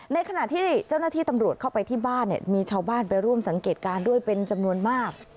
ในขณะที่เจ้าหน้าที่ตำรวจเข้าไปที่บ้านเนี่ยมีชาวบ้านไปร่วมสังเกตการณ์ด้วยเป็นจำนวนมาก